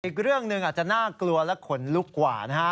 อีกเรื่องหนึ่งอาจจะน่ากลัวและขนลุกกว่านะฮะ